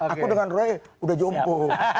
aku dengan roy udah jompo